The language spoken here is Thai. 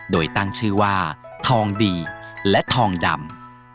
โดยตั้งชื่อว่าทองดีและทองดำ